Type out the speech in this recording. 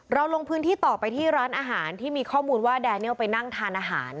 ลงพื้นที่ต่อไปที่ร้านอาหารที่มีข้อมูลว่าแดเนียลไปนั่งทานอาหาร